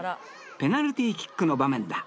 ペナルティーキックの場面だ